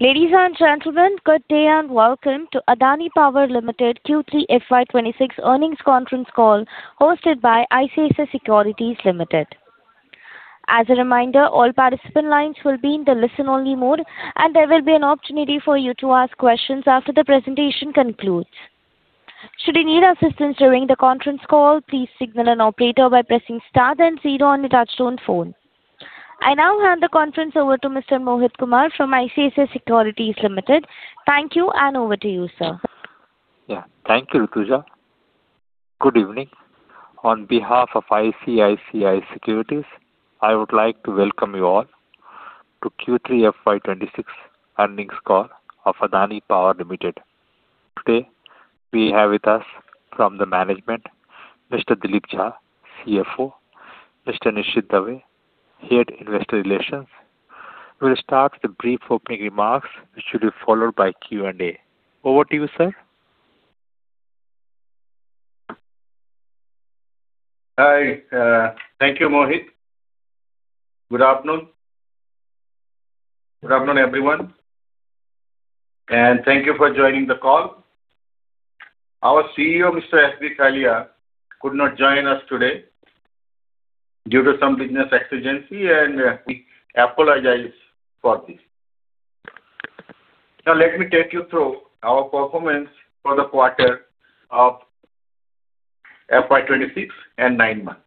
Ladies and gentlemen, good day, and welcome to Adani Power Limited Q3 FY2026 Earnings Conference Call, hosted by ICICI Securities Limited. As a reminder, all participant lines will be in the listen-only mode, and there will be an opportunity for you to ask questions after the presentation concludes. Should you need assistance during the conference call, please signal an operator by pressing star then zero on your touchtone phone. I now hand the conference over to Mr. Mohit Kumar from ICICI Securities Limited. Thank you, and over to you, sir. Yeah. Thank you, Rutuja. Good evening. On behalf of ICICI Securities, I would like to welcome you all to Q3 FY26 earnings call of Adani Power Limited. Today, we have with us from the management, Mr. Dilip Jha, CFO, Mr. Nishit Dave, Head, Investor Relations. We'll start with a brief opening remarks, which will be followed by Q&A. Over to you, sir. Hi, thank you, Mohit. Good afternoon. Good afternoon, everyone, and thank you for joining the call. Our CEO, Mr. S.B. Khyalia, could not join us today due to some business exigency, and, we apologize for this. Now, let me take you through our performance for the quarter of FY 2026 and nine months.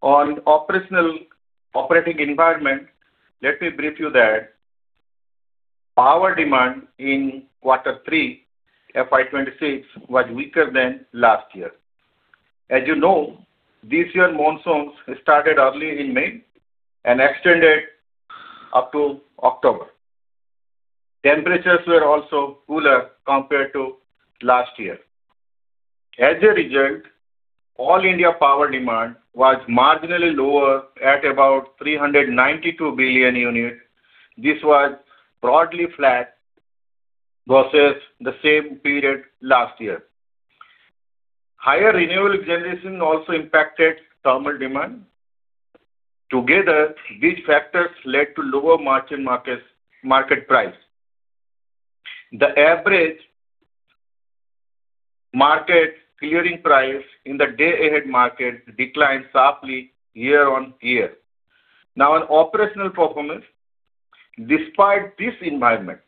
On operational, operating environment, let me brief you that power demand in quarter three, FY 2026, was weaker than last year. As you know, this year monsoons started early in May and extended up to October. Temperatures were also cooler compared to last year. As a result, all India power demand was marginally lower at about 392 billion units. This was broadly flat versus the same period last year. Higher renewable generation also impacted thermal demand. Together, these factors led to lower margin markets, market price. The average market clearing price in the day-ahead market declined sharply year-on-year. Now, on operational performance, despite this environment,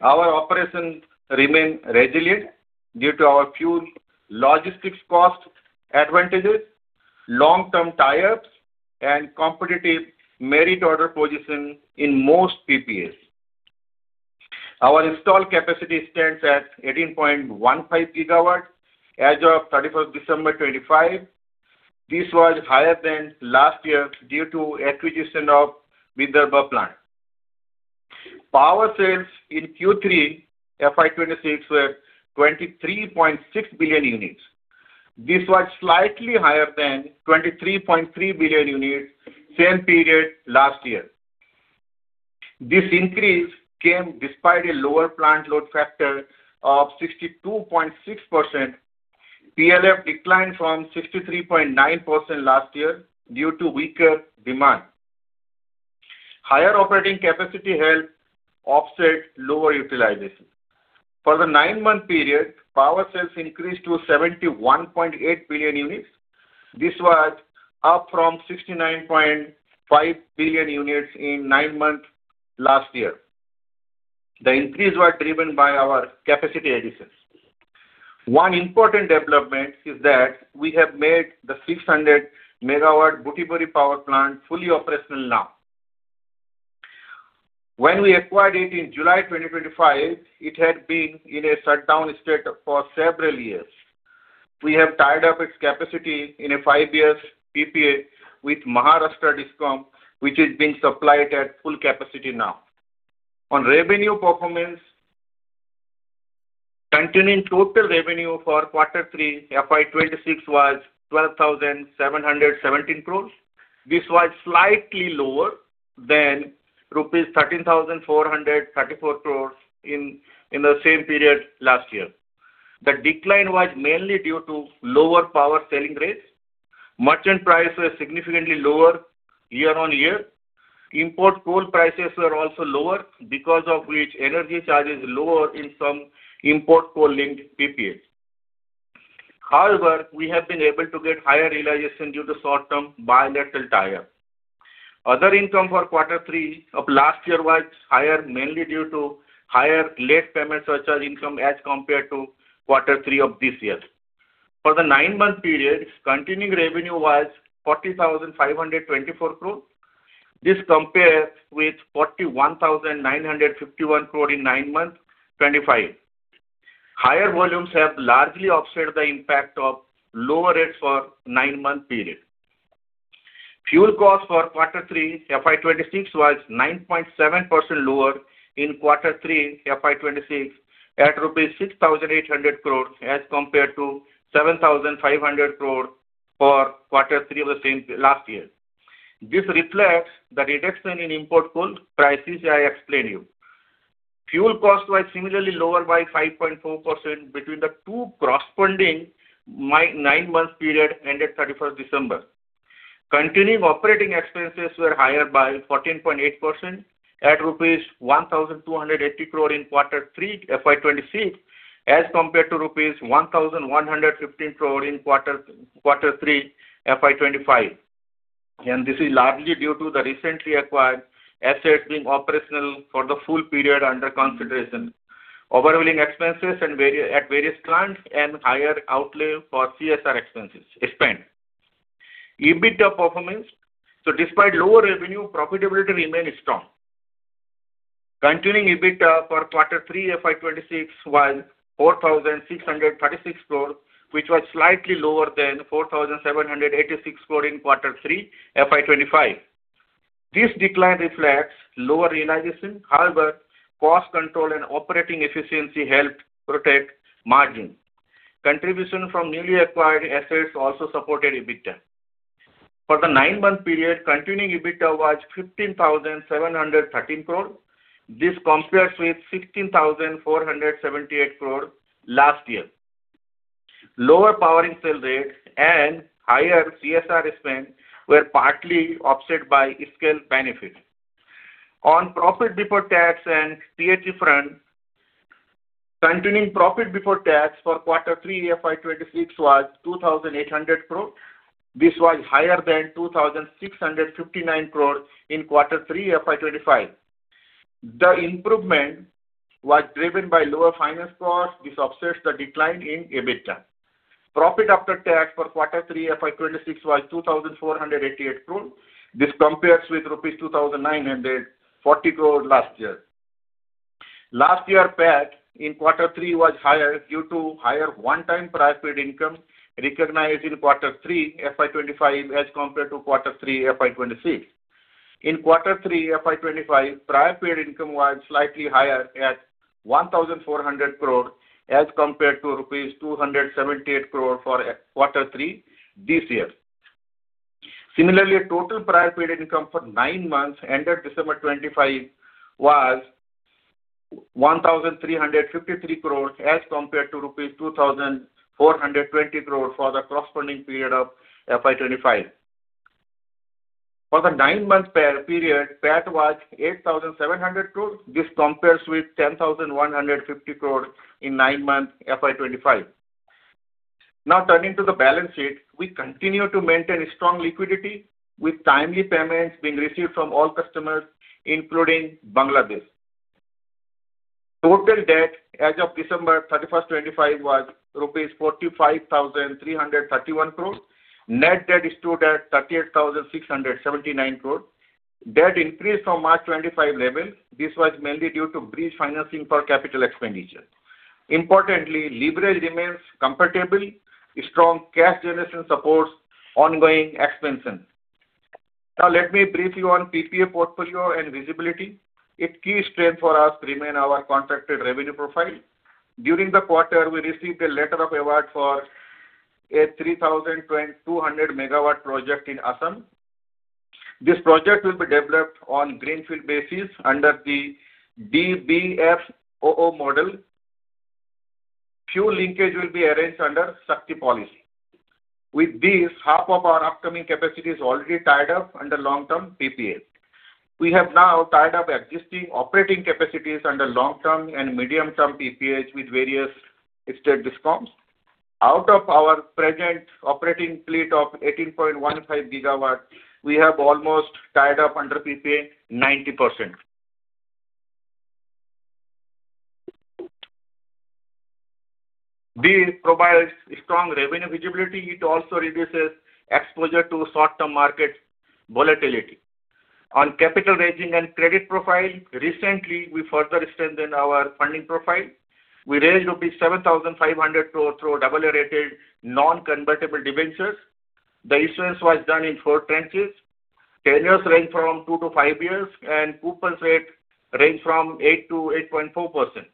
our operations remain resilient due to our fuel logistics cost advantages, long-term tie-ups, and competitive merit order position in most PPAs. Our installed capacity stands at 18.15 GW as of 31st December 2025. This was higher than last year due to acquisition of Vidarbha plant. Power sales in Q3 FY2026 were 23.6 billion units. This was slightly higher than 23.3 billion units, same period last year. This increase came despite a lower plant load factor of 62.6%. PLF declined from 63.9% last year due to weaker demand. Higher operating capacity helped offset lower utilization. For the nine-month period, power sales increased to 71.8 billion units. This was up from 69.5 billion units in nine months last year. The increase was driven by our capacity additions. One important development is that we have made the 600 MW Butibori power plant fully operational now. When we acquired it in July 2025, it had been in a shutdown state for several years. We have tied up its capacity in a 5-year PPA with Maharashtra DISCOM, which is being supplied at full capacity now. On revenue performance, continuing total revenue for quarter three, FY 2026, was 12,717 crore. This was slightly lower than rupees 13,434 crore in the same period last year. The decline was mainly due to lower power selling rates. Merchant price was significantly lower year-on-year. Import coal prices were also lower, because of which energy charge is lower in some import coal-linked PPAs. However, we have been able to get higher realization due to short-term bilateral tie-up. Other income for quarter three of last year was higher, mainly due to higher late payment surcharge income as compared to quarter three of this year. For the nine-month period, continuing revenue was 40,524 crore. This compares with 41,951 crore in nine months, 2025. Higher volumes have largely offset the impact of lower rates for nine-month period. Fuel cost for quarter three, FY 2026, was 9.7% lower in quarter three, FY 2026, at rupees 6,800 crore as compared to 7,500 crore for quarter three of the same last year. This reflects the reduction in import coal prices, I explained to you. Fuel costs were similarly lower by 5.4% between the two corresponding nine-month periods ended December 31. Continuing operating expenses were higher by 14.8% at rupees 1,280 crore in quarter three, FY 2026, as compared to rupees 1,115 crore in quarter three, FY 2025. And this is largely due to the recently acquired assets being operational for the full period under consideration, overhauling expenses and variable expenses at various plants and higher outlay for CSR expense spend. EBITDA performance. So despite lower revenue, profitability remained strong. Continuing EBITDA for quarter three, FY 2026, was 4,636 crore, which was slightly lower than 4,786 crore in quarter three, FY 2025. This decline reflects lower realization, however, cost control and operating efficiency helped protect margin. Contribution from newly acquired assets also supported EBITDA. For the nine-month period, continuing EBITDA was 15,713 crore. This compares with 16,478 crore last year. Lower power sale rate and higher CSR spend were partly offset by scale benefit. On profit before tax and PAT front, continuing profit before tax for quarter three, FY 2026, was 2,800 crore. This was higher than 2,659 crore in quarter three, FY 2025. The improvement was driven by lower finance cost, which offsets the decline in EBITDA. Profit after tax for quarter three, FY 2026, was 2,488 crore. This compares with rupees 2,940 crore last year. Last year, PAT in quarter three was higher due to higher one-time prior period income recognized in quarter three, FY 2025, as compared to quarter three, FY 2026. In quarter three, FY 2025, prior period income was slightly higher at 1,400 crore, as compared to rupees 278 crore for quarter three this year. Similarly, total prior period income for nine months ended December 2025 was 1,353 crore, as compared to rupees 2,420 crore for the corresponding period of FY 2025. For the nine-month period, PAT was 8,700 crore. This compares with 10,150 crore in nine months, FY 2025. Now, turning to the balance sheet. We continue to maintain strong liquidity, with timely payments being received from all customers, including Bangladesh. Total debt as of December 31, 2025, was rupees 45,331 crore. Net debt stood at 38,679 crore. Debt increased from March 2025 level. This was mainly due to bridge financing for capital expenditure. Importantly, leverage remains comfortable. Strong cash generation supports ongoing expansion. Now, let me brief you on PPA portfolio and visibility. A key strength for us remain our contracted revenue profile. During the quarter, we received a letter of award for a 3,200 MW project in Assam. This project will be developed on greenfield basis under the DBFOO model. Fuel linkage will be arranged under SHAKTI policy. With this, half of our upcoming capacity is already tied up under long-term PPA. We have now tied up existing operating capacities under long-term and medium-term PPAs with various state discoms. Out of our present operating fleet of 18.15 GW, we have almost tied up under PPA 90%. This provides strong revenue visibility. It also reduces exposure to short-term market volatility. On capital raising and credit profile, recently, we further strengthened our funding profile. We raised rupees 7,500 crore through AA-rated, non-convertible debentures. The issuance was done in 4 tranches. Tenures range from 2-5 years, and coupons rate range from 8% to 8.4%.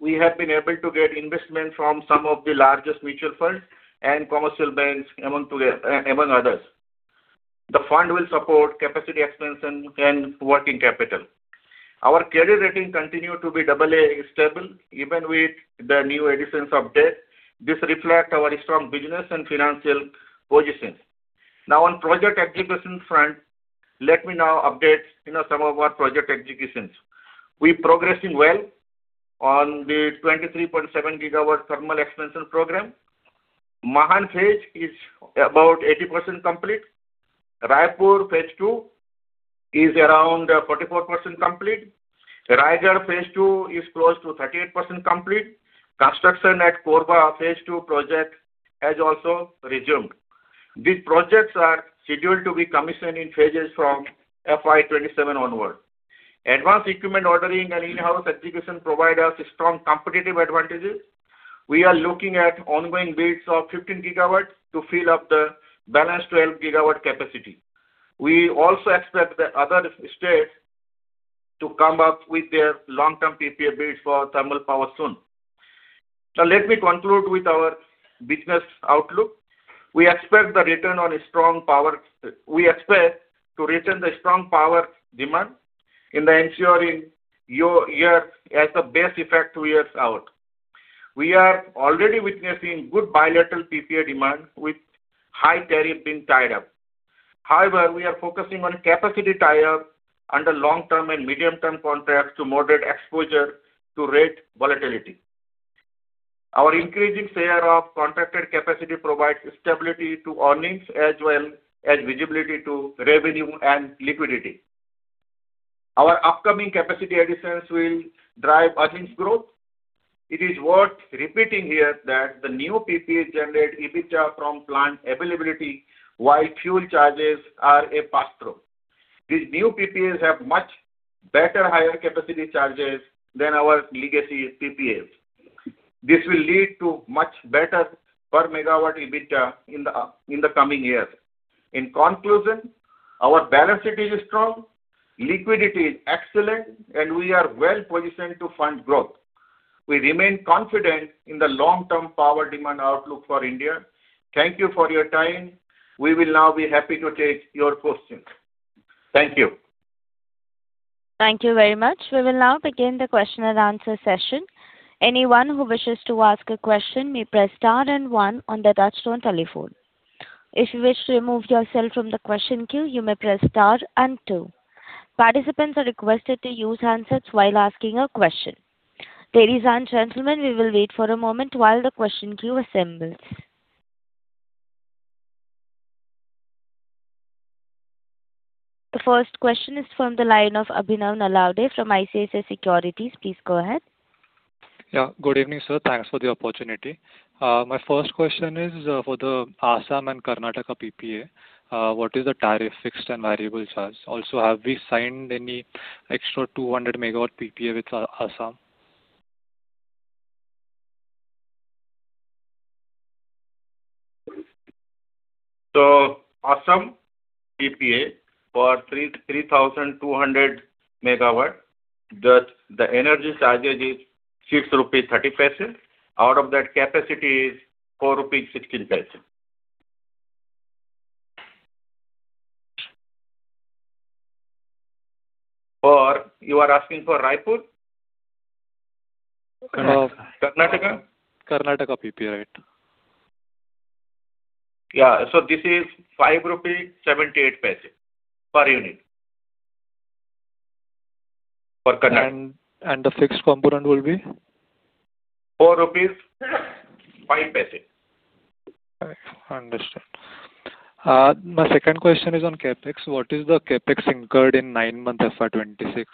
We have been able to get investment from some of the largest mutual funds and commercial banks, among others. The fund will support capacity expansion and working capital. Our credit rating continue to be AA Stable, even with the new additions of debt. This reflect our strong business and financial positions. Now, on project execution front, let me now update, you know, some of our project executions. We're progressing well on the 23.7 GW thermal expansion program. Mahan Phase is about 80% complete. Raipur Phase Two is around 44% complete. Raigarh Phase Two is close to 38% complete. Construction at Korba Phase Two project has also resumed. These projects are scheduled to be commissioned in phases from FY 2027 onward. Advanced equipment ordering and in-house execution provide us strong competitive advantages. We are looking at ongoing bids of 15 GW to fill up the balance 12 GW capacity. We also expect the other states to come up with their long-term PPA bids for thermal power soon. So let me conclude with our business outlook. We expect the return of strong power demand in the ensuing year as a base effect two years out. We are already witnessing good bilateral PPA demand with high tariff being tied up. However, we are focusing on capacity tie-up under long-term and medium-term contracts to moderate exposure to rate volatility. Our increasing share of contracted capacity provides stability to earnings as well as visibility to revenue and liquidity. Our upcoming capacity additions will drive earnings growth. It is worth repeating here that the new PPAs generate EBITDA from plant availability, while fuel charges are a pass-through. These new PPAs have much better higher capacity charges than our legacy PPAs. This will lead to much better per megawatt EBITDA in the coming years. In conclusion, our balance sheet is strong, liquidity is excellent, and we are well positioned to fund growth. We remain confident in the long-term power demand outlook for India. Thank you for your time. We will now be happy to take your questions. Thank you. Thank you very much. We will now begin the question and answer session. Anyone who wishes to ask a question may press star and one on their touchtone telephone. If you wish to remove yourself from the question queue, you may press star and two. Participants are requested to use handsets while asking a question. Ladies and gentlemen, we will wait for a moment while the question queue assembles. The first question is from the line of Abhinav Nalode from ICICI Securities. Please go ahead. Yeah. Good evening, sir. Thanks for the opportunity. My first question is, for the Assam and Karnataka PPA. What is the tariff, fixed and variable charge? Also, have we signed any extra 200 MW PPA with Assam? So Assam PPA for 3,200 MW, the energy charges is 6.30 rupees. Out of that, capacity is 4.16 rupees. For... You are asking for Raipur? Karnataka. Karnataka? Karnataka PPA, right. Yeah. So this is 5.78 rupees per unit for Karnataka. And the fixed component will be? INR 4.05 Okay, understood. My second question is on CapEx. What is the CapEx incurred in nine months FY 2026?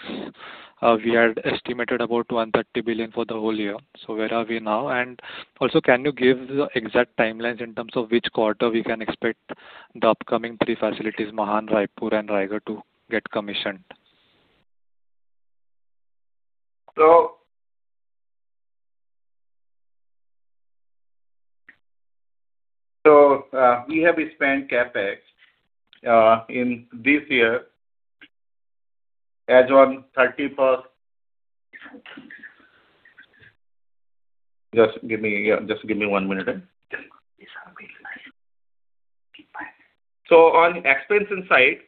We had estimated about 130 billion for the whole year. So where are we now? And also, can you give the exact timelines in terms of which quarter we can expect the upcoming three facilities, Mahan, Raipur, and Raigarh, to get commissioned? So, we have spent CapEx in this year as on 31st... Just give me one minute. So on the expansion side,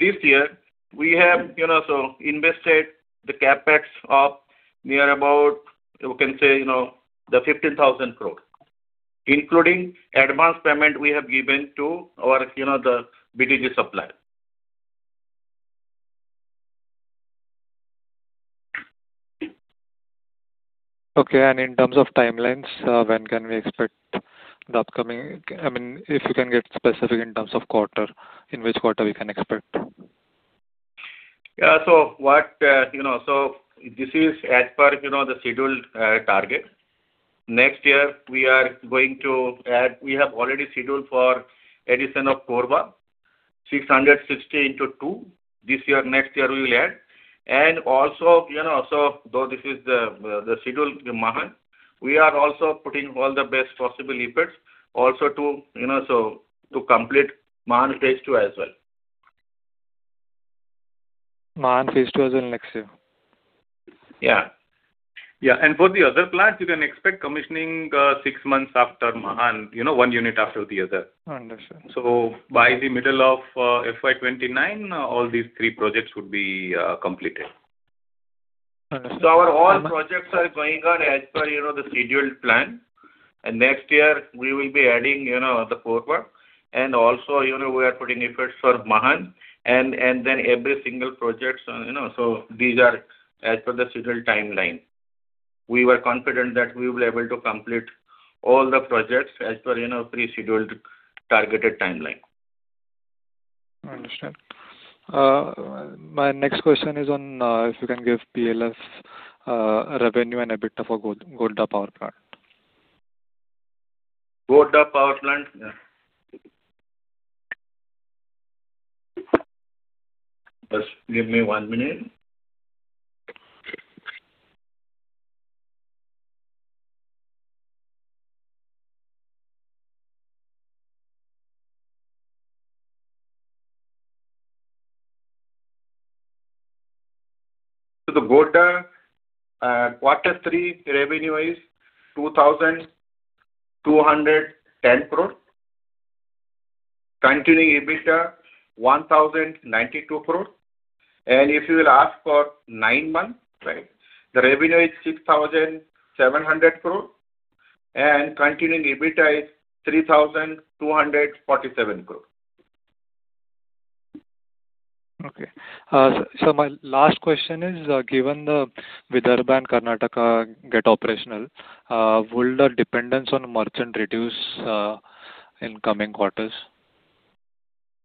this year, we have, you know, invested the CapEx of near about, we can say, you know, 15,000 crore, including advanced payment we have given to our, you know, the BTG supplier. Okay. In terms of timelines, when can we expect the upcoming, I mean, if you can get specific in terms of quarter, in which quarter we can expect? Yeah. So what, you know, so this is as per, you know, the scheduled target. Next year, we are going to add... We have already scheduled for addition of Korba, 660 into 2. This year, next year, we will add. And also, you know, so though this is the scheduled, the Mahan, we are also putting all the best possible efforts also to, you know, so to complete Mahan Phase Two as well. Mahan Phase Two as in next year? Yeah. Yeah, and for the other plants, you can expect commissioning, six months after Mahan, you know, one unit after the other. Understood. By the middle of FY 2029, all these three projects would be completed. All right. So our all projects are going on as per, you know, the scheduled plan. And next year, we will be adding, you know, the Korba. And also, you know, we are putting efforts for Mahan, and then every single projects, you know, so these are as per the scheduled timeline. We were confident that we will be able to complete all the projects as per, you know, pre-scheduled, targeted timeline. I understand. My next question is on if you can give PLF, revenue and EBITDA for Godda Power Plant? Godda Power Plant? Yeah. Just give me one minute.... So the quarter, quarter three revenue is INR 2,210 crore. Continuing EBITDA, INR 1,092 crore. And if you will ask for nine months, right, the revenue is INR 6,700 crore, and continuing EBITDA is INR 3,247 crore. Okay. My last question is, given the Vidarbha and Karnataka get operational, will the dependence on merchant reduce in coming quarters?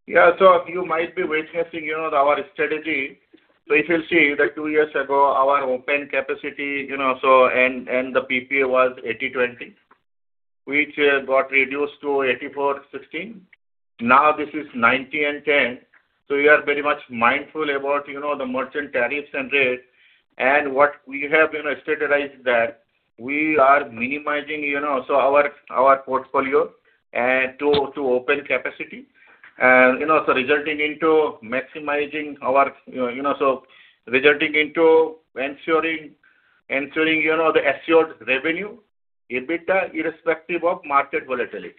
Yeah. So you might be witnessing, you know, our strategy. So if you see that two years ago, our open capacity, you know, the PPA was 80/20, which got reduced to 84/16. Now this is 90/10. So we are very much mindful about, you know, the merchant tariffs and rates, and what we have, you know, strategized that we are minimizing, you know, so our portfolio to open capacity, and, you know, so resulting into maximizing our... You know, so resulting into ensuring, you know, the assured revenue, EBITDA, irrespective of market volatility.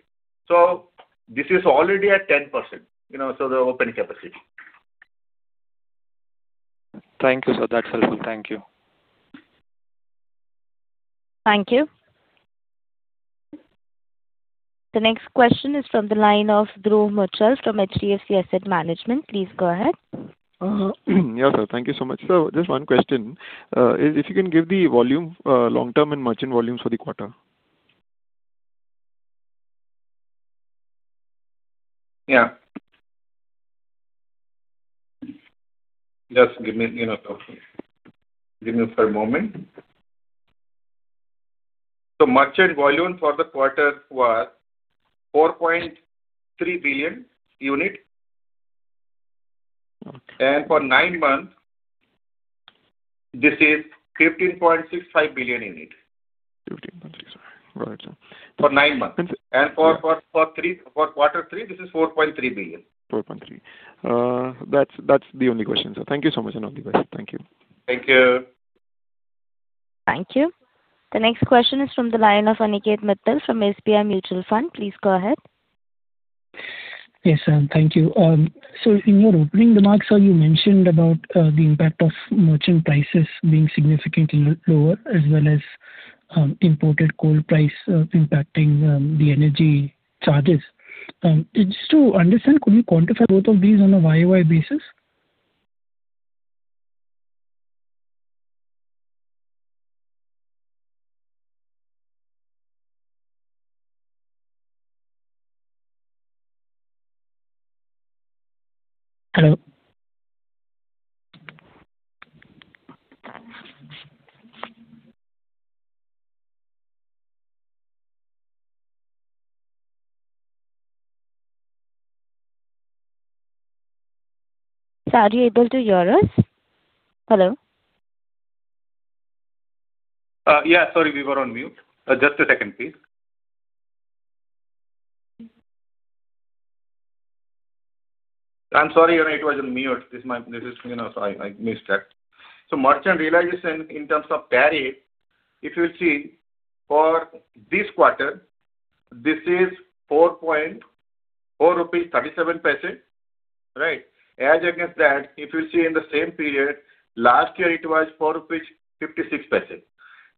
So this is already at 10%, you know, so the open capacity. Thank you, sir. That's helpful. Thank you. Thank you. The next question is from the line of Dhruv Muchhal from HDFC Asset Management. Please go ahead. Yeah, sir. Thank you so much. So just one question, is if you can give the volume, long-term and merchant volumes for the quarter? Yeah. Just give me, you know, give me a moment. So merchant volume for the quarter was 4.3 billion unit. Okay. For nine months, this is 15.65 billion unit. 15.6. Right, sir. For nine months. And. For quarter three, this is 4.3 billion. 4.3. That's the only question, sir. Thank you so much and all the best. Thank you. Thank you. Thank you. The next question is from the line of Aniket Mittal from SBI Mutual Fund. Please go ahead. Yes, sir. Thank you. So in your opening remarks, sir, you mentioned about the impact of merchant prices being significantly lower, as well as imported coal price impacting the energy charges. Just to understand, could you quantify both of these on a year-over-year basis? Hello? Sir, are you able to hear us? Hello. Yeah, sorry, we were on mute. Just a second, please. I'm sorry, you know, it was on mute. This is, you know, so I missed that. So merchant realization in terms of tariff, if you see, for this quarter, this is 4.37 rupees, right? As against that, if you see in the same period, last year, it was rupees 4.56.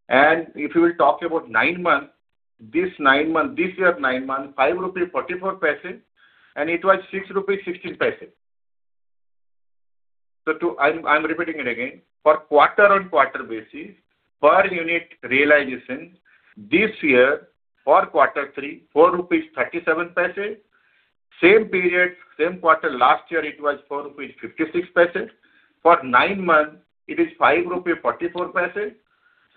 And if you will talk about nine months, this nine months, this year's nine months, 5.44, and it was 6.16 rupee. So I'm repeating it again. For quarter-over-quarter basis, per unit realization, this year for quarter three, 4.37. Same period, same quarter last year, it was 4.56 rupees. For nine months, it is 5.44 rupees.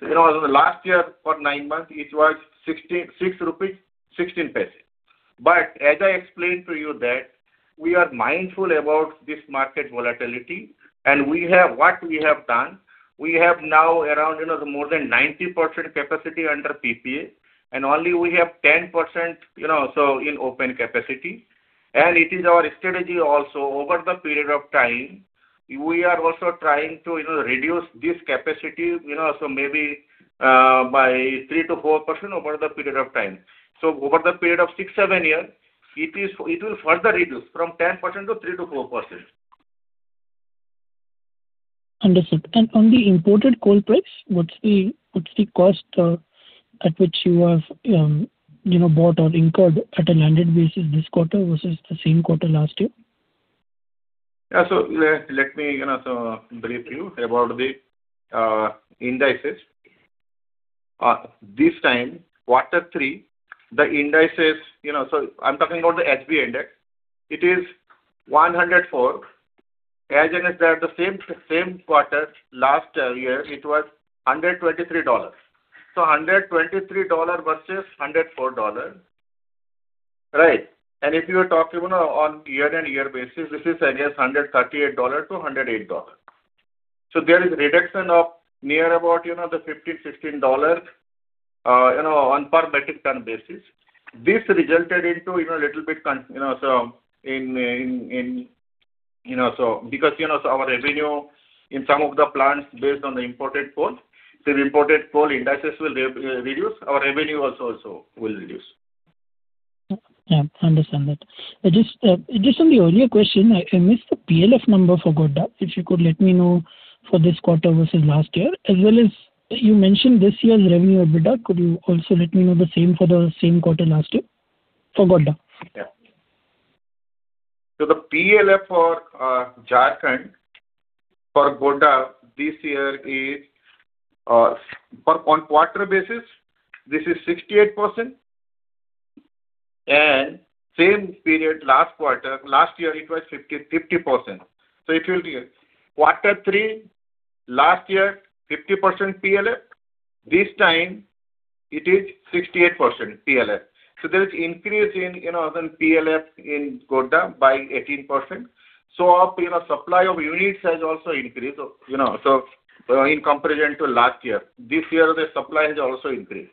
You know, last year, for nine months, it was 66.16 rupees. But as I explained to you that we are mindful about this market volatility, and we have. What we have done, we have now around, you know, more than 90% capacity under PPA, and only we have 10%, you know, so in open capacity. And it is our strategy also, over the period of time, we are also trying to, you know, reduce this capacity, you know, so maybe by 3%-4% over the period of time. So over the period of 6-7 years, it is, it will further reduce from 10% to 3%-4%. Understood. On the imported coal price, what's the cost at which you have, you know, bought or incurred at a landed basis this quarter versus the same quarter last year? Yeah. So let me, you know, brief you about the indices. This time, quarter three, the indices, you know. So I'm talking about the HBA Index. It is 104. As against that, the same quarter last year, it was $123. So $123 versus $104, right? And if you talk about on year-on-year basis, this is against $138 to $108. So there is a reduction of near about, you know, the 15, 16 dollars. You know, on per metric ton basis. This resulted into, you know, a little bit con, you know, so in, in, in, you know, so because, you know, so our revenue in some of the plants based on the imported coal. So the imported coal indices will reduce. Our revenue also will reduce. Yeah, I understand that. Just on the earlier question, I missed the PLF number for Godda. If you could let me know for this quarter versus last year, as well as you mentioned this year's revenue EBITDA, could you also let me know the same for the same quarter last year for Godda? Yeah. So the PLF for Jharkhand for Godda this year is, for on quarter basis, this is 68%, and same period last quarter, last year it was fifty, 50%. So it will be quarter three, last year, 50% PLF. This time it is 68% PLF. So there is increase in, you know, the PLF in Godda by 18%. So our, you know, supply of units has also increased. So, you know, so, in comparison to last year, this year the supply has also increased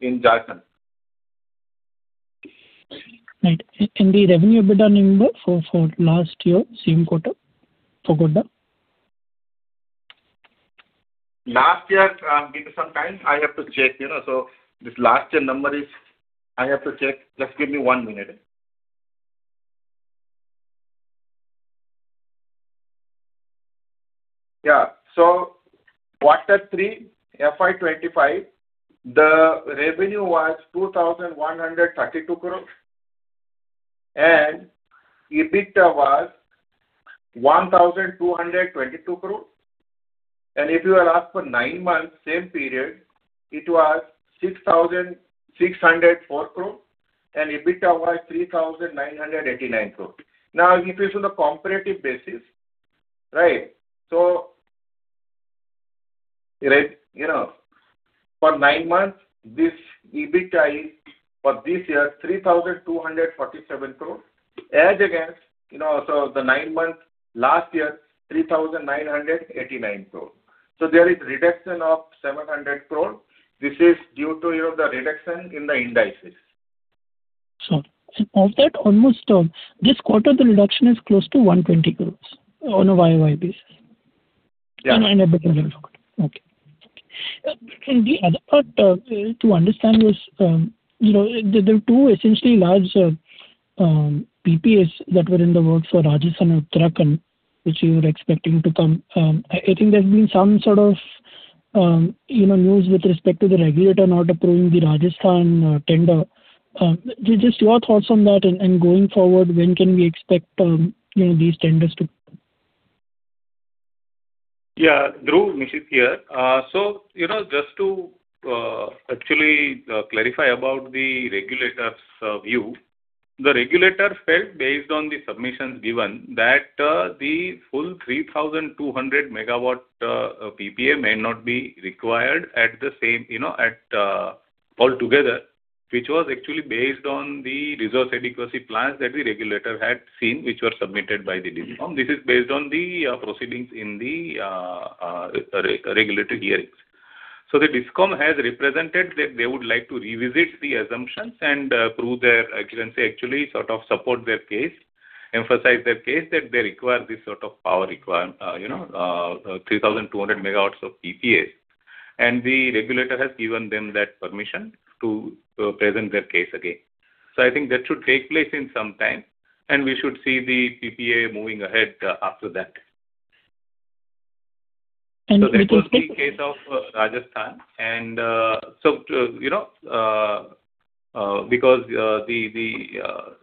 in Jharkhand. Right. And the revenue EBITDA number for last year, same quarter for Godda? Last year, give me some time. I have to check, you know, so this last year number is... I have to check. Just give me one minute. Yeah. So quarter 3, FY 2025, the revenue was 2,132 crore, and EBITDA was 1,222 crore. And if you ask for nine months, same period, it was 6,604 crore, and EBITDA was 3,989 crore. Now, if it's on a comparative basis, right? So, right, you know, for nine months, this EBITDA is for this year, 3,247 crore, as against, you know, so the nine months last year, 3,989 crore. So there is reduction of 700 crore. This is due to, you know, the reduction in the indices. So of that, almost, this quarter, the reduction is close to 120 crore on a year-over-year basis. And EBITDA. Okay. Okay. In the other part to understand is, you know, there, there are two essentially large PPAs that were in the work for Rajasthan, Uttarakhand, which you were expecting to come. I, I think there's been some sort of, you know, news with respect to the regulator not approving the Rajasthan tender. Just your thoughts on that, and, and going forward, when can we expect, you know, these tenders to? Yeah. Dhruv. Nishit here. So, you know, just to actually clarify about the regulator's view. The regulator felt, based on the submissions given, that the full 3,200 MW PPA may not be required at the same, you know, at all together, which was actually based on the resource adequacy plans that the regulator had seen, which were submitted by the DISCOM. This is based on the proceedings in the regulatory hearings. So the DISCOM has represented that they would like to revisit the assumptions and prove their agency actually sort of support their case, emphasize their case that they require this sort of power requirement, you know, 3,200 MW of PPAs. And the regulator has given them that permission to present their case again. I think that should take place in some time, and we should see the PPA moving ahead after that. And we can. So that was the case of Rajasthan, and so you know because the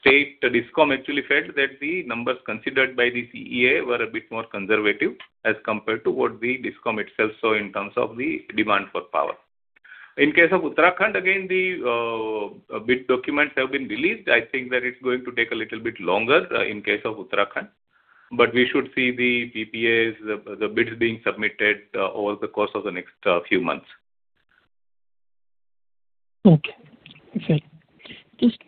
state DISCOM actually felt that the numbers considered by the CEA were a bit more conservative as compared to what the DISCOM itself saw in terms of the demand for power. In case of Uttarakhand, again the bid documents have been released. I think that it's going to take a little bit longer in case of Uttarakhand, but we should see the PPAs the bids being submitted over the course of the next few months. Okay. Okay. Just,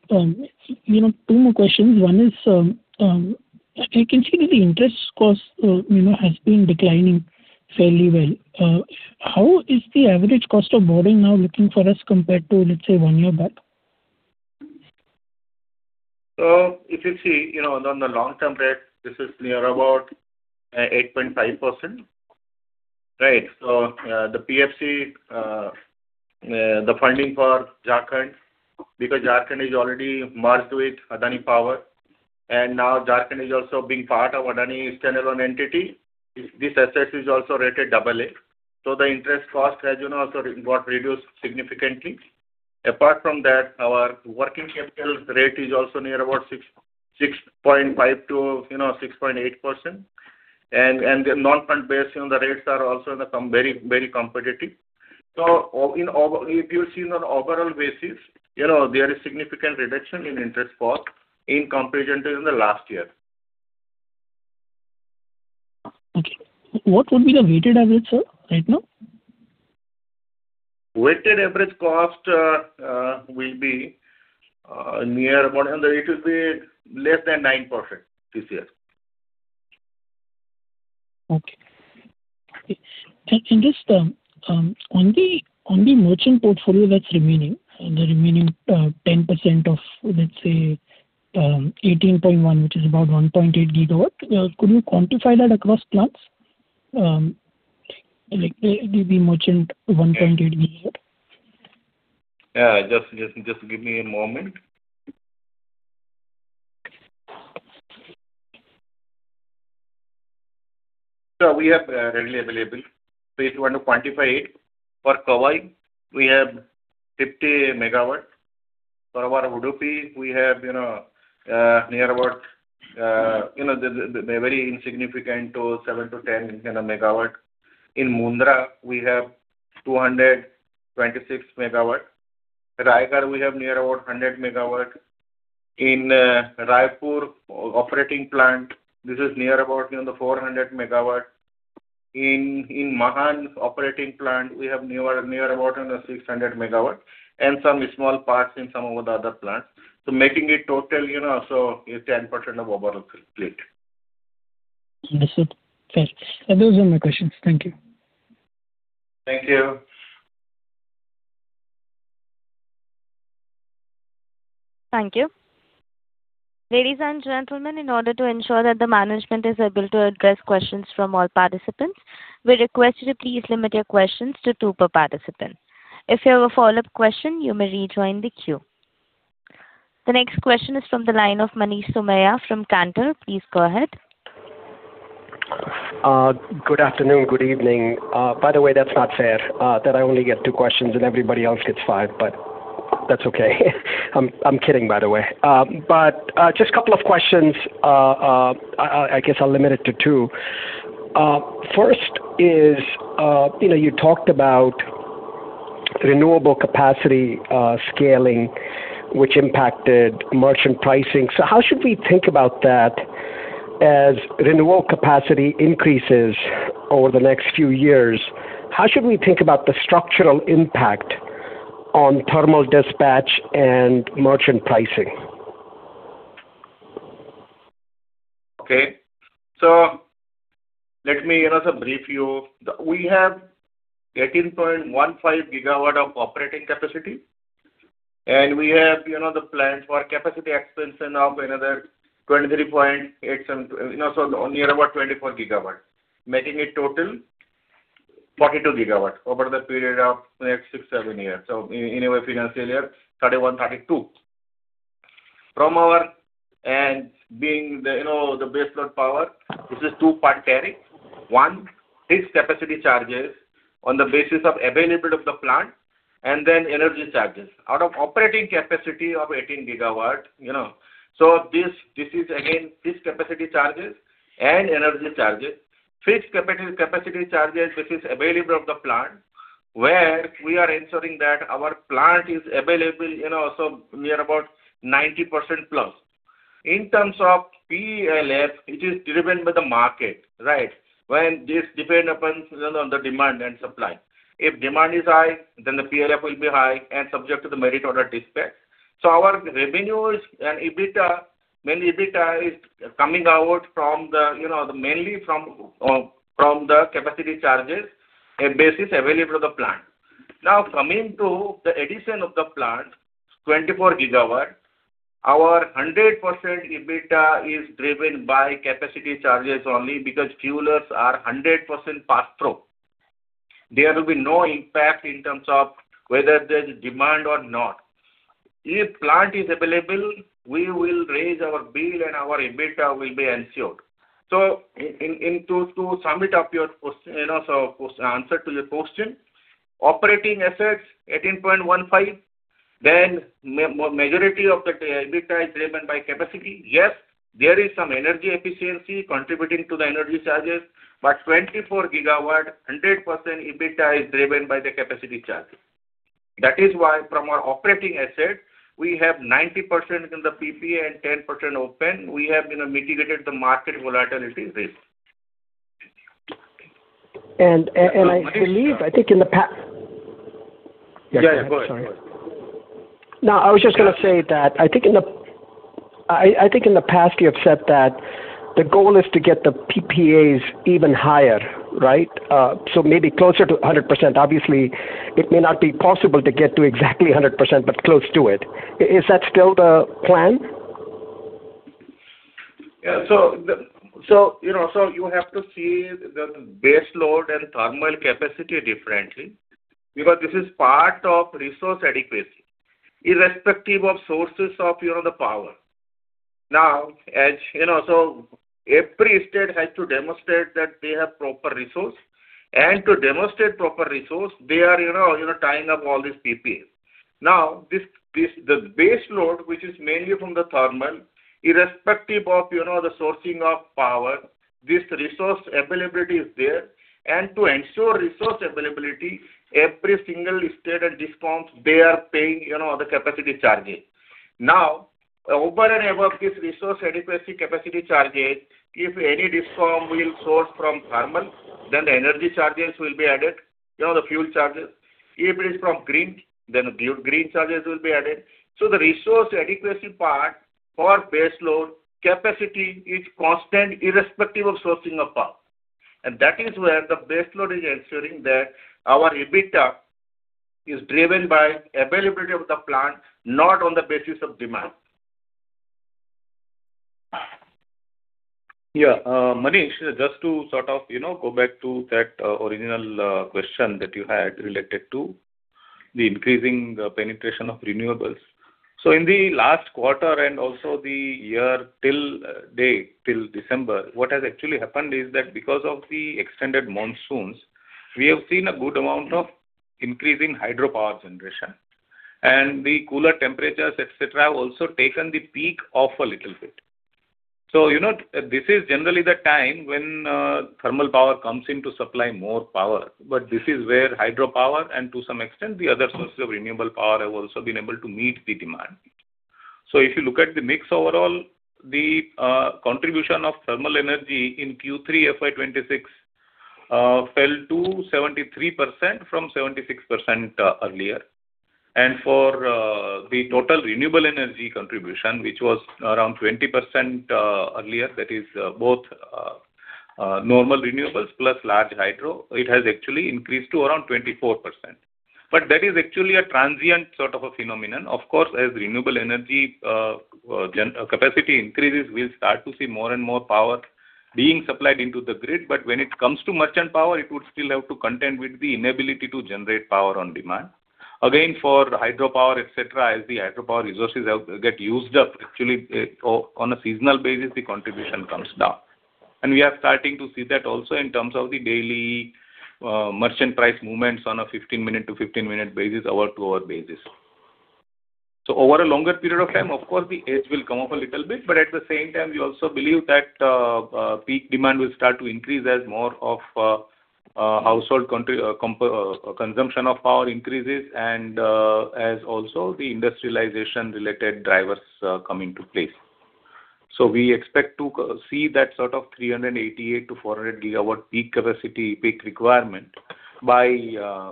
you know, two more questions. One is, I can see that the interest cost, you know, has been declining fairly well. How is the average cost of borrowing now looking for us compared to, let's say, one year back? So if you see, you know, on the long-term rate, this is near about 8.5%, right? So the PFC, the funding for Jharkhand, because Jharkhand is already merged with Adani Power, and now Jharkhand is also being part of Adani's standalone entity. This asset is also rated double A. So the interest cost, as you know, also got reduced significantly. Apart from that, our working capital rate is also near about six, 6.5 to, you know, 6.8%. And the non-fund-based rates are also become very, very competitive. So if you see on an overall basis, you know, there is significant reduction in interest cost in comparison to in the last year. Okay. What would be the weighted average, sir, right now? Weighted average cost will be near 100. It will be less than 9% this year. Okay. And in this, on the merchant portfolio that's remaining, and the remaining, 10% of, let's say, 18.1, which is about 1.8 GW, could you quantify that across plants? Like the merchant 1.8 GW. Yeah, just, just, just give me a moment. So we have, readily available. So if you want to quantify it, for Kawai, we have 50 MW. For our Udupi, we have, you know, near about, you know, the, the, they're very insignificant, 7-10, you know, MW. In Mundra, we have 226 MW. Raigarh, we have near about 100 MW. In Raipur operating plant, this is near about, you know, the 400 MW. In Mahan operating plant, we have near about 600 MW, and some small parts in some of the other plants. So making it total, you know, so it's 10% of overall fleet. Understood. Thanks. Those are my questions. Thank you. Thank you. Thank you. Ladies and gentlemen, in order to ensure that the management is able to address questions from all participants, we request you to please limit your questions to two per participant. If you have a follow-up question, you may rejoin the queue. The next question is from the line of Manish Somaiya from Cantor. Please go ahead. Good afternoon, good evening. By the way, that's not fair that I only get two questions and everybody else gets five, but that's okay. I'm kidding, by the way. But just couple of questions. I guess I'll limit it to two. First is, you know, you talked about renewable capacity scaling, which impacted merchant pricing. So how should we think about that as renewable capacity increases over the next few years? How should we think about the structural impact on thermal dispatch and merchant pricing? Okay. So let me, you know, brief you. We have 18.15 GW of operating capacity, and we have, you know, the plan for capacity expansion of another 23.87, you know, so near about 24 GW, making it total 42 GW over the period of next 6-7 years. So in, in our financial year, 2031, 2032. From our... And being the, you know, the base load power, this is two part tariff. One, fixed capacity charges on the basis of availability of the plant, and then energy charges. Out of operating capacity of 18 GW, you know, so this, this is again, fixed capacity charges and energy charges. Fixed capacity charges, which is available of the plant, where we are ensuring that our plant is available, you know, so near about 90%+. In terms of PLF, it is driven by the market, right? When this depend upon, you know, the demand and supply. If demand is high, then the PLF will be high and subject to the merit order dispatch. So our revenues and EBITDA, when EBITDA is coming out from the, you know, mainly from, from the capacity charges, and basis available to the plant. Now, coming to the addition of the plant, 24 GW, our 100% EBITDA is driven by capacity charges only because fuel charges are 100% pass-through. There will be no impact in terms of whether there's demand or not. If plant is available, we will raise our bill and our EBITDA will be ensured. To sum it up, you know, the answer to your question, operating assets, 18.15, then majority of the EBITDA is driven by capacity. Yes, there is some energy efficiency contributing to the energy charges, but 24 GW, 100% EBITDA is driven by the capacity charges. That is why from our operating assets, we have 90% in the PPA and 10% open. We have, you know, mitigated the market volatility risk. I believe, I think in the pa. Yeah, go ahead. Sorry. No, I was just gonna say that, I think in the... I think in the past you have said that the goal is to get the PPAs even higher, right? So maybe closer to 100%. Obviously, it may not be possible to get to exactly 100%, but close to it. Is that still the plan? Yeah. So you know, you have to see the base load and thermal capacity differently, because this is part of resource adequacy, irrespective of sources of, you know, the power. Now, as you know, every state has to demonstrate that they have proper resource, and to demonstrate proper resource, they are, you know, tying up all these PPAs. Now, this, the base load, which is mainly from the thermal, irrespective of, you know, the sourcing of power, this resource availability is there. And to ensure resource availability, every single state and discom, they are paying, you know, the capacity charges. Now, over and above this resource adequacy capacity charges, if any discom will source from thermal, then the energy charges will be added, you know, the fuel charges. If it is from green, then the green charges will be added. The Resource Adequacy part for base load capacity is constant, irrespective of sourcing of power. That is where the base load is ensuring that our EBITDA is driven by availability of the plant, not on the basis of demand. Yeah, Manish, just to sort of, you know, go back to that original question that you had related to the increasing penetration of renewables. So in the last quarter, and also the year till date, till December, what has actually happened is that because of the extended monsoons, we have seen a good amount of increase in hydropower generation, and the cooler temperatures, et cetera, have also taken the peak off a little bit. So, you know, this is generally the time when thermal power comes in to supply more power, but this is where hydropower, and to some extent, the other sources of renewable power, have also been able to meet the demand. So if you look at the mix overall, the contribution of thermal energy in Q3 FY 2026 fell to 73% from 76%, earlier. For the total renewable energy contribution, which was around 20% earlier, that is, both normal renewables plus large hydro, it has actually increased to around 24%. That is actually a transient sort of a phenomenon. Of course, as renewable energy capacity increases, we'll start to see more and more power being supplied into the grid. When it comes to merchant power, it would still have to contend with the inability to generate power on demand. Again, for hydropower, et cetera, as the hydropower resources have used up, actually, on a seasonal basis, the contribution comes down. We are starting to see that also in terms of the daily merchant price movements on a 15-minute to 15-minute basis, hour-to-hour basis. So over a longer period of time, of course, the edge will come off a little bit, but at the same time, we also believe that peak demand will start to increase as more of household consumption of power increases and as also the industrialization-related drivers come into place. So we expect to see that sort of 388-400 GW peak capacity, peak requirement by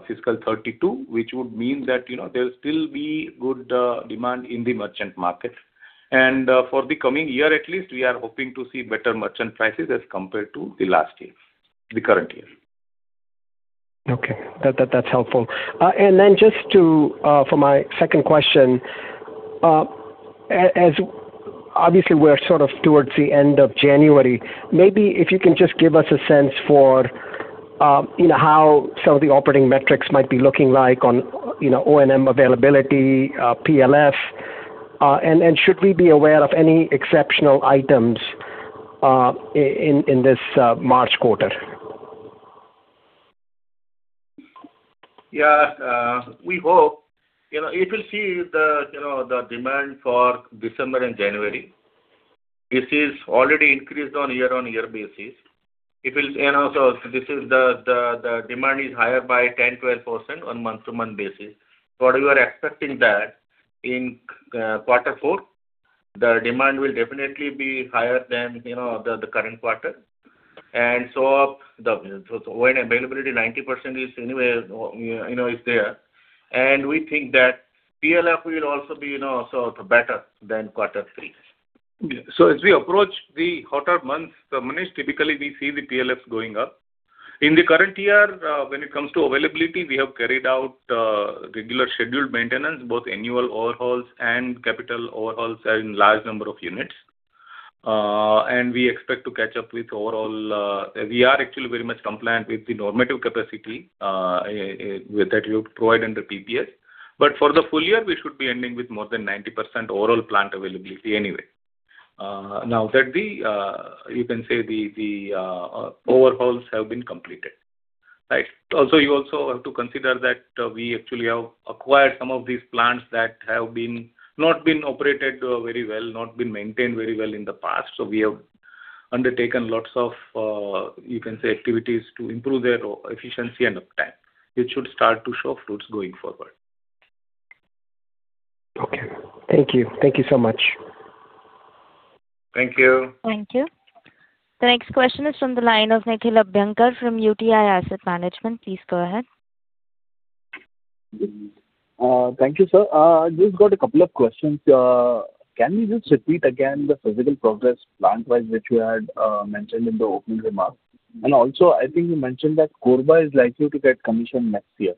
fiscal 2032, which would mean that, you know, there'll still be good demand in the merchant market. And for the coming year at least, we are hoping to see better merchant prices as compared to the last year, the current year. Okay. That's helpful. And then just to for my second question, as obviously, we're sort of towards the end of January, maybe if you can just give us a sense for, you know, how some of the operating metrics might be looking like on, you know, O&M availability, PLF. And should we be aware of any exceptional items in this March quarter? Yeah, we hope. You know, it will see the, you know, the demand for December and January. This is already increased on year-on-year basis. It will, and also, this is the demand is higher by 10-12% on month-to-month basis. What we are expecting that in quarter four, the demand will definitely be higher than, you know, the current quarter. And so the O&M availability, 90% is anyway, you know, is there, and we think that PLF will also be, you know, sort of better than quarter three. So as we approach the hotter months, so Manish, typically we see the PLFs going up. In the current year, when it comes to availability, we have carried out regular scheduled maintenance, both annual overhauls and capital overhauls in large number of units. And we expect to catch up with overall. We are actually very much compliant with the normative capacity, with that you provide under PPA. But for the full year, we should be ending with more than 90% overall plant availability anyway. Now that you can say the overhauls have been completed, right? Also, you also have to consider that we actually have acquired some of these plants that have been, not been operated very well, not been maintained very well in the past. We have undertaken lots of, you can say, activities to improve their efficiency and uptime, which should start to show fruits going forward. Okay. Thank you. Thank you so much. Thank you. Thank you. The next question is from the line of Nikhil Abhyankar from UTI Asset Management. Please go ahead. Thank you, sir. Just got a couple of questions. Can you just repeat again the physical progress plant-wise, which you had mentioned in the opening remarks? And also, I think you mentioned that Korba is likely to get commissioned next year.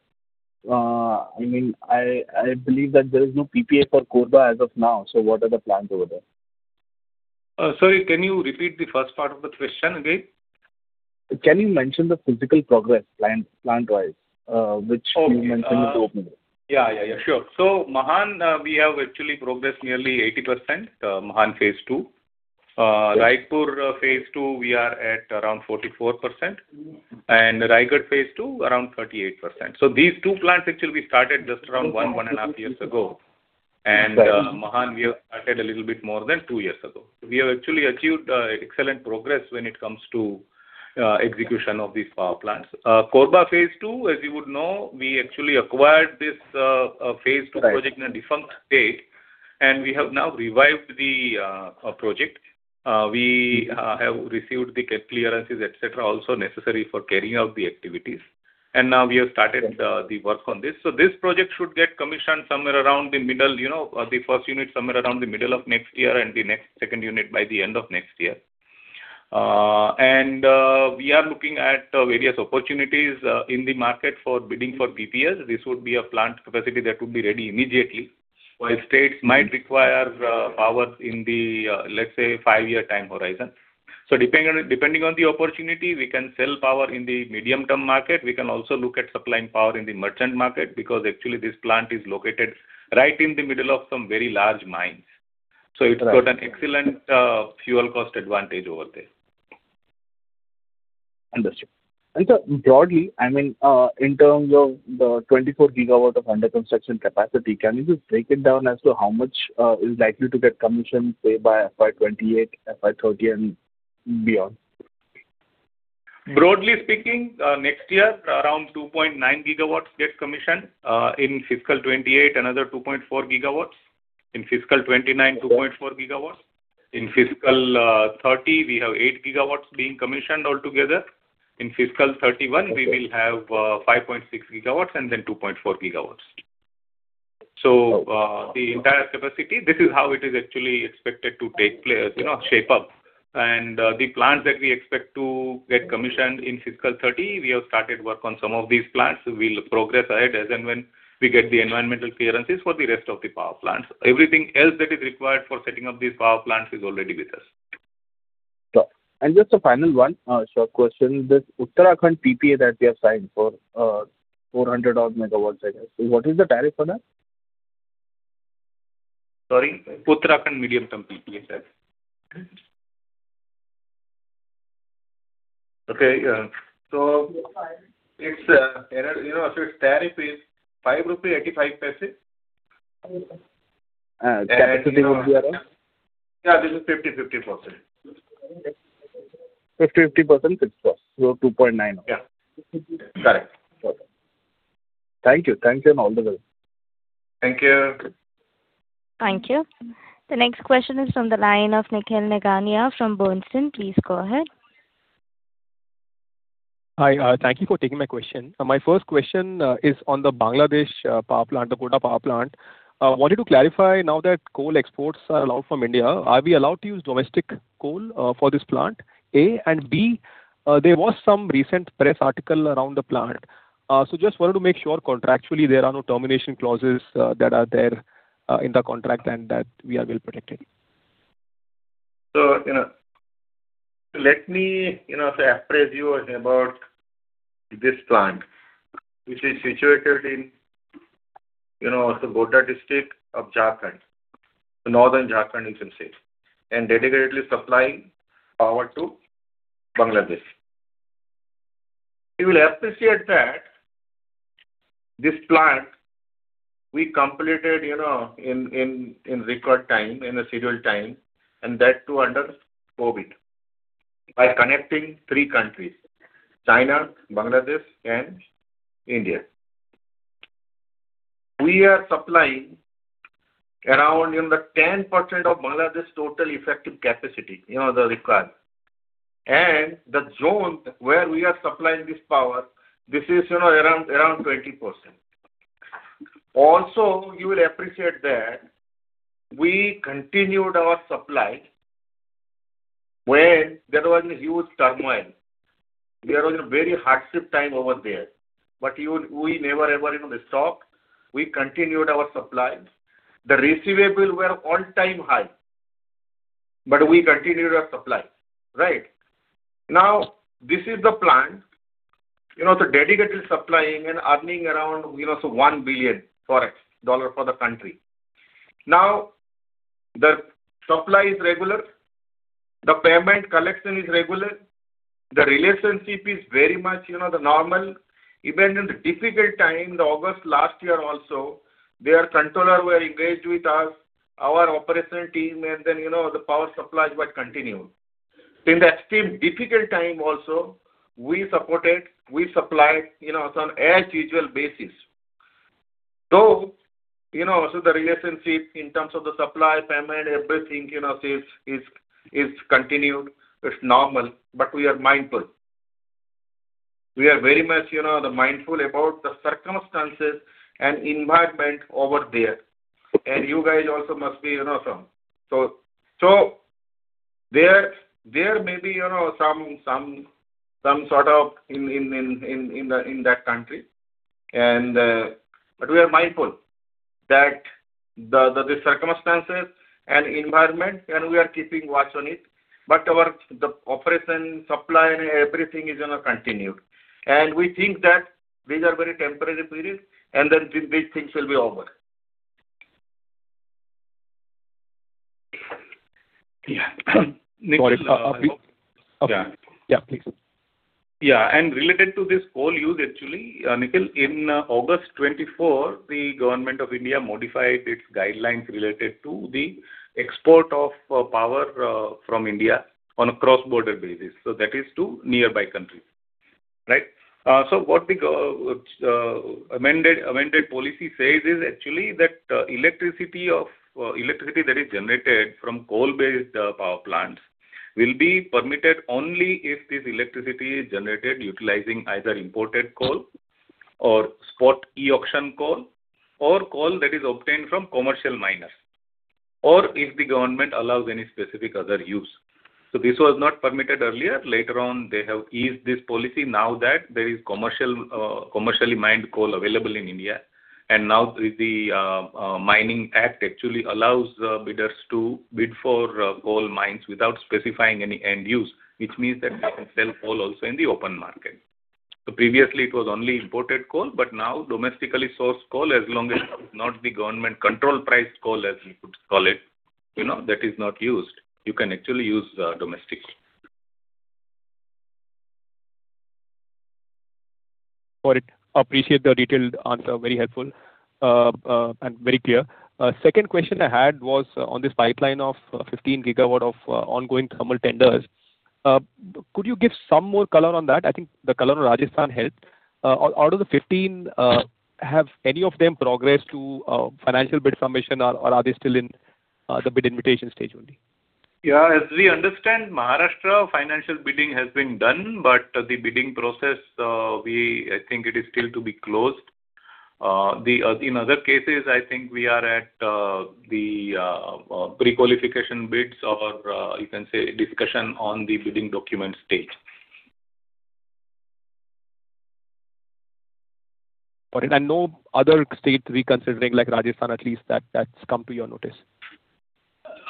I mean, I believe that there is no PPA for Korba as of now, so what are the plans over there? Sorry, can you repeat the first part of the question again? Can you mention the physical progress plan, plant-wise, which you mentioned in the opening? Yeah, yeah, yeah. Sure. So Mahan, we have actually progressed nearly 80%, Mahan Phase Two. Raipur Phase Two, we are at around 44%, and Raigarh Phase Two, around 38%. So these two plants actually we started just around 1-1.5 years ago. Right. Mahan, we have started a little bit more than 2 years ago. We have actually achieved excellent progress when it comes to execution of these power plants. Korba Phase Two, as you would know, we actually acquired this Phase Two project. Right In a defunct state. And we have now revived the our project. We have received the clearances, et cetera, also necessary for carrying out the activities. And now we have started the work on this. So this project should get commissioned somewhere around the middle, you know, the first unit, somewhere around the middle of next year, and the second unit by the end of next year. And we are looking at various opportunities in the market for bidding for PPA. This would be a plant capacity that would be ready immediately, while states might require power in the, let's say, five-year time horizon. So depending on, depending on the opportunity, we can sell power in the medium-term market. We can also look at supplying power in the merchant market, because actually this plant is located right in the middle of some very large mines. Right. It's got an excellent fuel cost advantage over there. Understood. Sir, broadly, I mean, in terms of the 24 GW of under-construction capacity, can you just break it down as to how much is likely to get commissioned, say, by FY 2028, FY 2030, and beyond? Broadly speaking, next year, around 2.9 GW get commissioned. In fiscal 2028, another 2.4 GW. In fiscal 2029, 2.4 GW. In fiscal 2030, we have 8 GW being commissioned altogether. In fiscal 2031. Okay. We will have, 5.6 GW and then 2.4 GW. Okay. So, the entire capacity, this is how it is actually expected to take place, you know, shape up. And, the plants that we expect to get commissioned in fiscal 2030, we have started work on some of these plants. We'll progress ahead as and when we get the environmental clearances for the rest of the power plants. Everything else that is required for setting up these power plants is already with us. Just a final one, short question. This Uttarakhand PPA that we have signed for, 400 odd MW, I guess. What is the tariff for that? Sorry, Uttarakhand medium-term PPA, you said? Okay, so it's, you know, so its tariff is INR 5.85. Capacity would be around? Yeah, this is 50/50%. 50/50%, it's so 2.9. Yeah. Correct. Perfect. Thank you. Thanks and all the best. Thank you. Thank you. The next question is from the line of Nikhil Nigania from Bernstein. Please go ahead. Hi, thank you for taking my question. My first question is on the Bangladesh power plant, the Godda power plant. I wanted to clarify now that coal exports are allowed from India, are we allowed to use domestic coal for this plant? A, and B, there was some recent press article around the plant. So just wanted to make sure contractually there are no termination clauses that are there in the contract and that we are well protected. So, you know, let me, you know, to apprise you about this plant, which is situated in, you know, the Godda district of Jharkhand, northern Jharkhand, you can say, and dedicatedly supplying power to Bangladesh. You will appreciate that this plant we completed, you know, in, in, in record time, in a scheduled time, and that too under COVID, by connecting three countries: China, Bangladesh, and India. We are supplying around in the 10% of Bangladesh's total effective capacity, you know, the required. And the zone where we are supplying this power, this is, you know, around, around 20%. Also, you will appreciate that we continued our supply when there was a huge turmoil. We are in a very hard time over there, but we never, ever, you know, stop. We continued our supply. The receivables were all-time high, but we continued our supply, right? Now, this is the plan, you know, the dedicated supplying and earning around, you know, so $1 billion for the country. Now, the supply is regular, the payment collection is regular, the relationship is very much, you know, the normal. Even in the difficult time, in August last year also, their controller were engaged with us, our operational team, and then, you know, the power supply was continued. In the extreme difficult time also, we supported, we supplied, you know, on as usual basis. So, you know, so the relationship in terms of the supply, payment, everything, you know, is, is, is continued. It's normal, but we are mindful. We are very much, you know, the mindful about the circumstances and environment over there. And you guys also must be, you know, some. So, there may be, you know, some sort of incident in that country. But we are mindful that the circumstances and environment, and we are keeping watch on it. But our operation, supply, and everything is, you know, continued. And we think that these are very temporary periods, and then these things will be over. Sorry. Okay. Yeah, please. Yeah, and related to this whole use, actually, Nikhil, in August 2024, the Government of India modified its guidelines related to the export of power from India on a cross-border basis, so that is to nearby countries. Right. So what the amended policy says is actually that electricity that is generated from coal-based power plants will be permitted only if this electricity is generated utilizing either imported coal or spot e-auction coal, or coal that is obtained from commercial miners, or if the government allows any specific other use. So this was not permitted earlier. Later on, they have eased this policy now that there is commercially mined coal available in India. And now the Mining Act actually allows bidders to bid for coal mines without specifying any end use, which means that they can sell coal also in the open market. So, previously it was only imported coal, but now domestically sourced coal, as long as not the government-controlled price coal, as you could call it, you know, that is not used, you can actually use domestic. Got it. Appreciate the detailed answer. Very helpful, and very clear. Second question I had was on this pipeline of 15 GW of ongoing thermal tenders. Could you give some more color on that? I think the color on Rajasthan helped. Out of the 15, have any of them progressed to financial bid submission, or are they still in the bid invitation stage only? Yeah, as we understand, Maharashtra financial bidding has been done, but the bidding process, I think it is still to be closed. In other cases, I think we are at the pre-qualification bids or, you can say, discussion on the bidding document stage. Got it. And no other state reconsidering, like Rajasthan, at least that, that's come to your notice?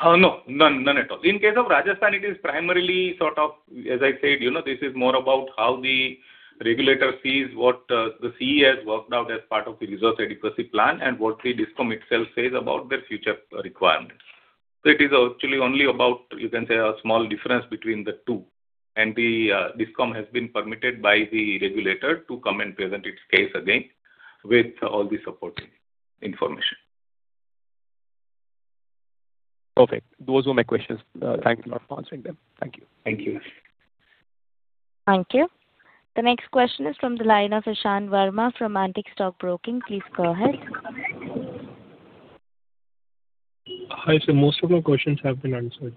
No. None, none at all. In case of Rajasthan, it is primarily sort of, as I said, you know, this is more about how the regulator sees what the CEA has worked out as part of the resource adequacy plan and what the DISCOM itself says about their future requirements. So it is actually only about, you can say, a small difference between the two. The DISCOM has been permitted by the regulator to come and present its case again with all the supporting information. Okay. Those were my questions. Thank you for answering them. Thank you. Thank you. Thank you. The next question is from the line of Ishan Varma from Antique Stock Broking. Please go ahead. Hi, sir. Most of my questions have been answered.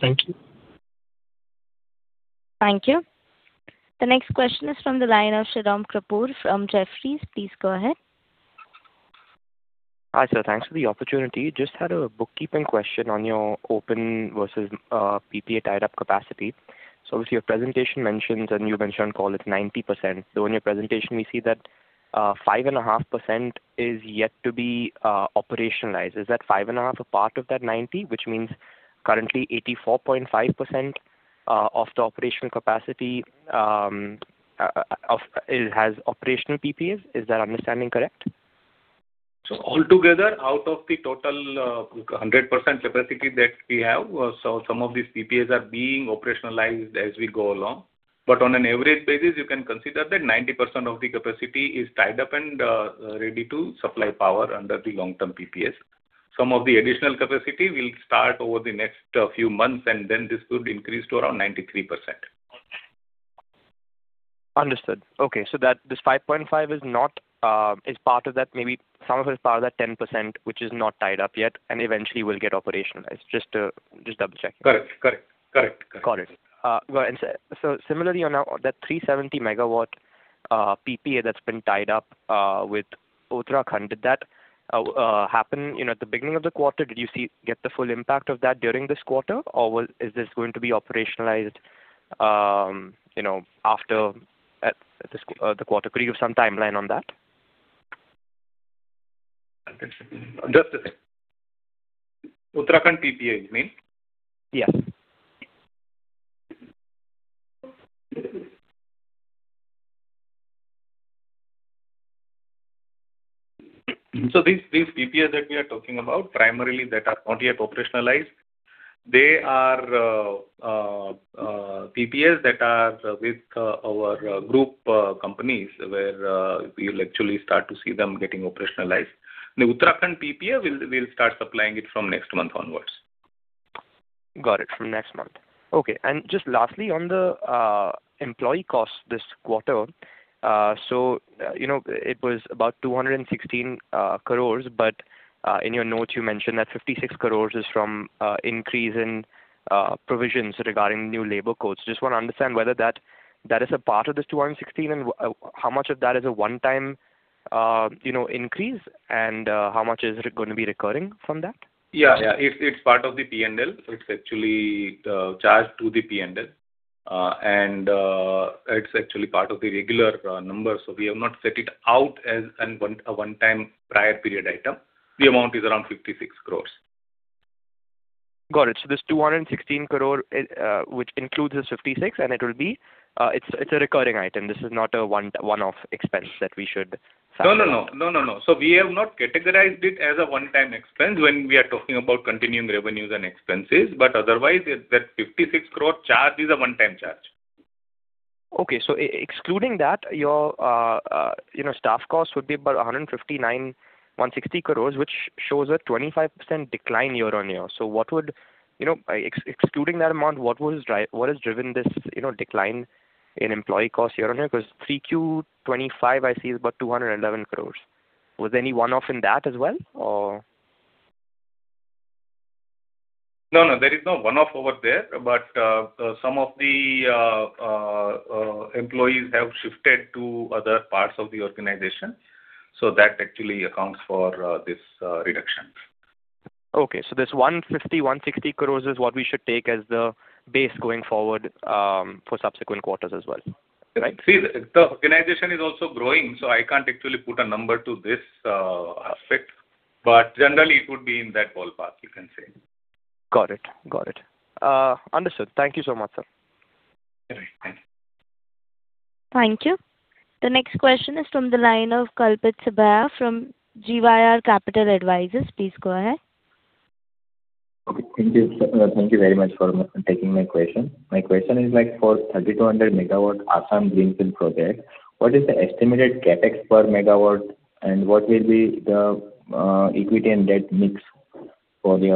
Thank you. Thank you. The next question is from the line of Shubham Kapoor from Jefferies. Please go ahead. Hi, sir. Thanks for the opportunity. Just had a bookkeeping question on your open versus PPA tied-up capacity. So obviously, your presentation mentions, and you mentioned on call, it's 90%. So in your presentation, we see that 5.5% is yet to be operationalized. Is that 5.5% a part of that 90? Which means currently 84.5% of the operational capacity it has operational PPAs. Is that understanding correct? So altogether, out of the total 100% capacity that we have, so some of these PPAs are being operationalized as we go along. But on an average basis, you can consider that 90% of the capacity is tied up and ready to supply power under the long-term PPAs. Some of the additional capacity will start over the next few months, and then this could increase to around 93%. Understood. Okay. So that, this 5.5 is not, is part of that maybe some of it is part of that 10%, which is not tied up yet, and eventually will get operationalized. Just double-checking. Correct. Correct. Correct. Got it. Well, and so, so similarly on, that 370 MW PPA that's been tied up, with Uttarakhand, did that, happen, you know, at the beginning of the quarter? Did you get the full impact of that during this quarter, or will... Is this going to be operationalized, you know, after the quarter? Could you give some timeline on that? Just a second. Uttarakhand PPA, you mean? So these PPAs that we are talking about, primarily that are not yet operationalized, they are PPAs that are with our group companies, where we will actually start to see them getting operationalized. The Uttarakhand PPA, we'll start supplying it from next month onwards. Got it. From next month. Okay. And just lastly, on the employee costs this quarter. So, you know, it was about 216 crores, but in your notes, you mentioned that 56 crores is from increase in provisions regarding new labor codes. Just want to understand whether that, that is a part of this 216 crores, and how much of that is a one-time, you know, increase, and how much is it gonna be recurring from that? It's part of the P&L, so it's actually charged to the P&L. And it's actually part of the regular numbers, so we have not set it out as a one-time prior period item. The amount is around 56 crore. Got it. So this 216 crore, which includes this 56 crore, and it will be, it's, it's a recurring item. This is not a one-off expense that we should factor out. No, no, no. No, no, no. So we have not categorized it as a one-time expense when we are talking about continuing revenues and expenses, but otherwise, it, that 56 crore charge is a one-time charge. Okay. So excluding that, your, you know, staff costs would be about 159-160 crore, which shows a 25% decline year-on-year. So what would... You know, by excluding that amount, what has driven this, you know, decline in employee costs year-on-year? Because 3Q 2025, I see, is about 211 crore.... Was any one-off in that as well, or? No, no, there is no one-off over there, but some of the employees have shifted to other parts of the organization, so that actually accounts for this reduction. Okay. So this 150 crore-160 crore is what we should take as the base going forward, for subsequent quarters as well, right? See, the organization is also growing, so I can't actually put a number to this aspect, but generally it would be in that ballpark, you can say. Got it. Got it. Understood. Thank you so much, sir. All right. Thank you. Thank you. The next question is from the line of Kalpit Saboo from GYR Capital Advisors. Please go ahead. Okay, thank you. Thank you very much for taking my question. My question is, like, for 3,200 MW Assam greenfield project, what is the estimated CapEx per megawatt, and what will be the equity and debt mix for the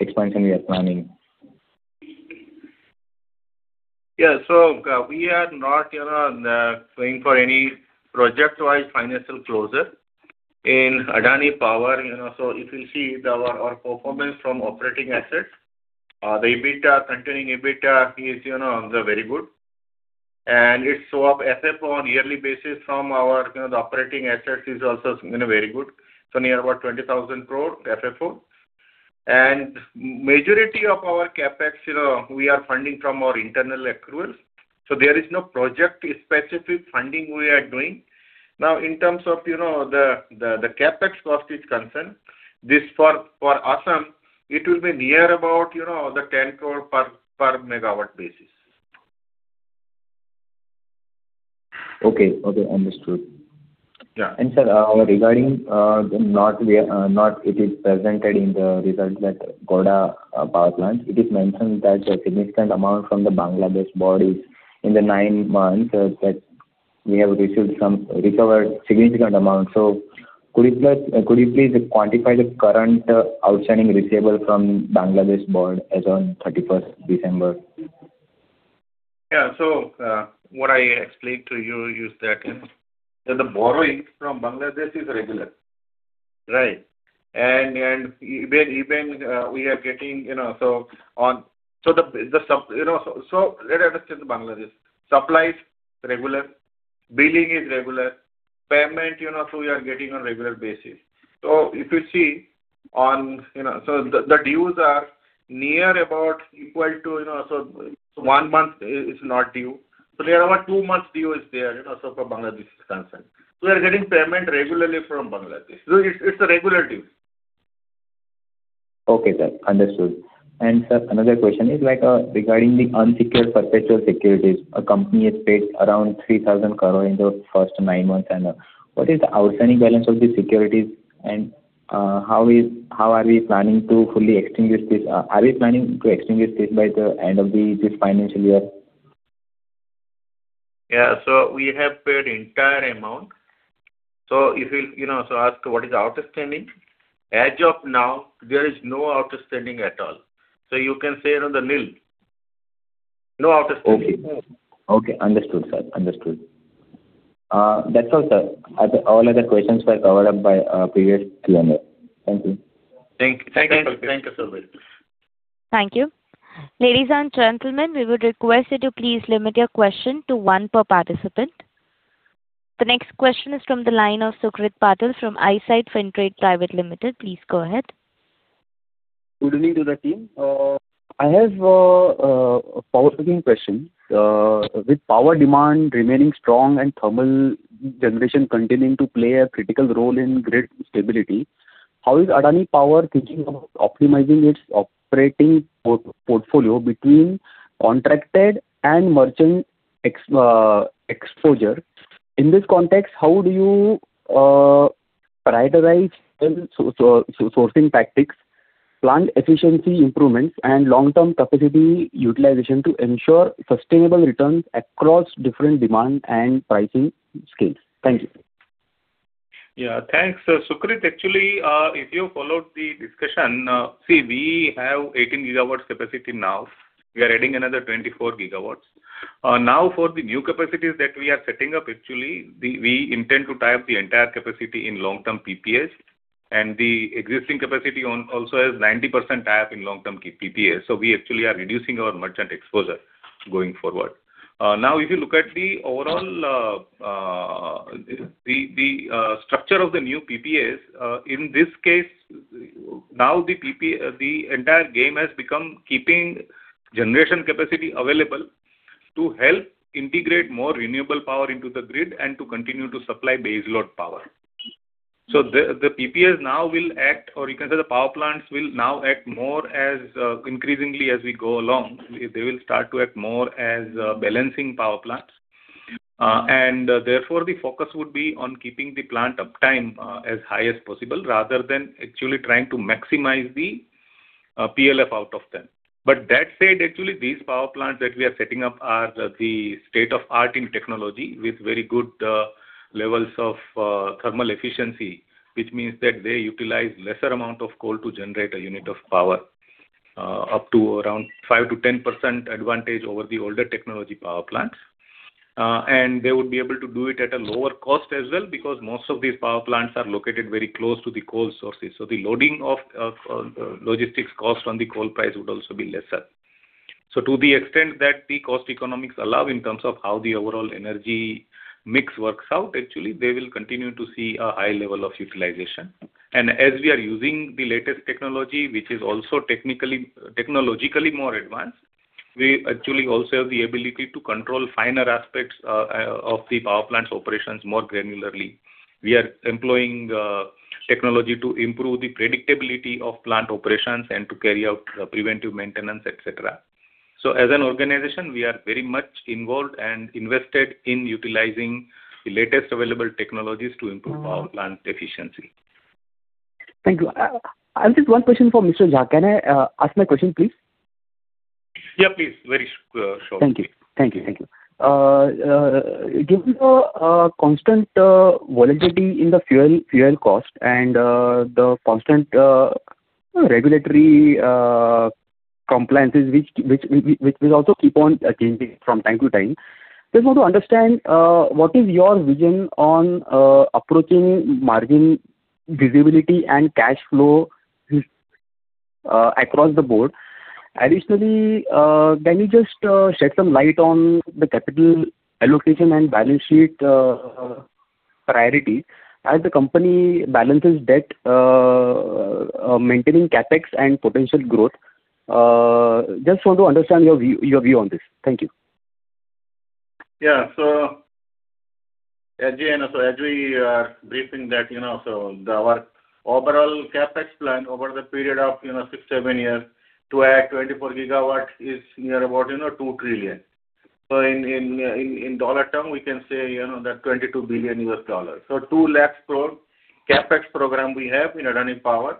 expansion you are planning? Yeah. So, we are not, you know, going for any project-wise financial closure. In Adani Power, you know, so if you see our performance from operating assets, the EBITDA, continuing EBITDA is, you know, very good. And its strong FFO on yearly basis from our, you know, the operating assets is also, you know, very good. So near about 20,000 crore FFO. And majority of our CapEx, you know, we are funding from our internal accruals, so there is no project-specific funding we are doing. Now, in terms of, you know, the CapEx cost is concerned, this for Assam, it will be near about, you know, 10 crore per megawatt basis. Okay. Okay, understood. Sir, regarding what is presented in the results at Godda power plant. It is mentioned that a significant amount from the Bangladesh Board is in the nine months that we have recovered significant amount. So could you please quantify the current outstanding receivable from Bangladesh Board as on thirty-first December? Yeah. So, what I explained to you is that, that the borrowing from Bangladesh is regular, right? And, and even, even, we are getting, you know, so on. So, you know, so, so let us say the Bangladesh supply is regular, billing is regular, payment, you know, so we are getting on regular basis. So if you see on, you know, so the dues are near about equal to, you know, so one month is not due. So there are about two months due is there, you know, so for Bangladesh is concerned. So we are getting payment regularly from Bangladesh. So it's a regular due. Okay, sir. Understood. And sir, another question is, like, regarding the unsecured perpetual securities. A company has paid around 3,000 crore in the first nine months, and what is the outstanding balance of the securities, and how are we planning to fully extinguish this? Are we planning to extinguish this by the end of this financial year? Yeah. So we have paid entire amount. So if you'll, you know, so ask what is the outstanding? As of now, there is no outstanding at all. So you can say, you know, the nil. No outstanding. Okay. Okay, understood, sir. Understood. That's all, sir. All other questions were covered up by previous presenter. Thank you. Thank you. Thank you so much. Thank you. Ladies and gentlemen, we would request you to please limit your question to one per participant. The next question is from the line of Sukrit Patel from Eyesight Fintrade Private Limited. Please go ahead. Good evening to the team. I have a power looking question. With power demand remaining strong and thermal generation continuing to play a critical role in grid stability, how is Adani Power thinking about optimizing its operating portfolio between contracted and merchant exposure? In this context, how do you prioritize the sourcing tactics, plant efficiency improvements, and long-term capacity utilization to ensure sustainable returns across different demand and pricing scales? Thank you. Yeah. Thanks, Sukrit. Actually, if you followed the discussion, see, we have 18 GW capacity now. We are adding another 24 GW. Now, for the new capacities that we are setting up, actually, we intend to tie up the entire capacity in long-term PPAs, and the existing capacity also has 90% tie-up in long-term PPAs. So we actually are reducing our merchant exposure going forward. Now, if you look at the overall, the structure of the new PPAs, in this case, now the entire game has become keeping generation capacity available to help integrate more renewable power into the grid and to continue to supply base load power. So the PPAs now will act, or you can say the power plants will now act more as, increasingly as we go along, they will start to act more as, balancing power plants. And therefore, the focus would be on keeping the plant uptime, as high as possible, rather than actually trying to maximize the, PLF out of them. But that said, actually, these power plants that we are setting up are the state-of-the-art in technology, with very good, levels of, thermal efficiency, which means that they utilize lesser amount of coal to generate a unit of power, up to around 5%-10% advantage over the older technology power plants. And they would be able to do it at a lower cost as well, because most of these power plants are located very close to the coal sources. So the loading of logistics cost on the coal price would also be lesser. So to the extent that the cost economics allow in terms of how the overall energy mix works out, actually, they will continue to see a high level of utilization. And as we are using the latest technology, which is also technically, technologically more advanced, we actually also have the ability to control finer aspects of the power plants operations more granularly. We are employing technology to improve the predictability of plant operations and to carry out preventive maintenance, et cetera. So as an organization, we are very much involved and invested in utilizing the latest available technologies to improve power plant efficiency. Thank you. I have just one question for Mr. Jha. Can I ask my question, please? Yeah, please. Very, sure. Thank you. Thank you, thank you. Given the constant volatility in the fuel cost and the constant regulatory compliances, which will also keep on changing from time to time, just want to understand what is your vision on approaching margin visibility and cash flow across the board? Additionally, can you just shed some light on the capital allocation and balance sheet priority as the company balances debt maintaining CapEx and potential growth? Just want to understand your view on this. Thank you. Yeah. So at the end, so as we are briefing that, you know, so our overall CapEx plan over the period of, you know, 6-7 years to add 24 GW is near about, you know, 2 trillion. So in, in, in, in dollar term, we can say, you know, that $22 billion. So 200,000 crore CapEx program we have in Adani Power,